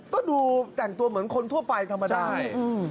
ก็ดูแต่งตัวเหมือนคนทั่วไปธรรมดา